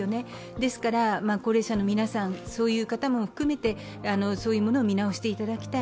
ですから高齢者の皆さん、そういう方も含めてそういうものを見直していただきたい。